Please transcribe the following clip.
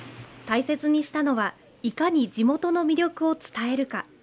大切にしたのはいかに地元の魅力を伝えるか。